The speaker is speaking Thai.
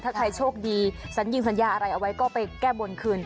ถ้าใครโชคดีสัญญิงสัญญาอะไรเอาไว้ก็ไปแก้บนคืน